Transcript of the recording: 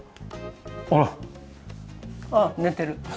あら。あっ寝てる。